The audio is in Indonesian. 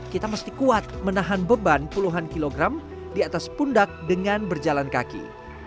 kita mesti kuat menahan beban puluhan kilogram di atas pundak dengan berjalan kaki